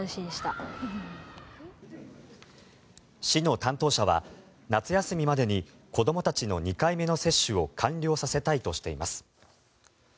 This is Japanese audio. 市の担当者は夏休みまでに子どもたちの２回目の接種を完了させたいとしています。